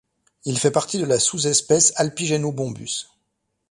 Il fait partie de la sous-espèce Alpigenobombus.